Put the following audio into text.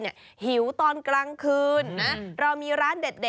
นั่งนั่งตรงนั้นนะครับ